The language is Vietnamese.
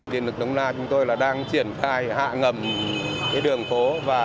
điện lực đông na chúng tôi đang triển khai hạ ngầm đường phố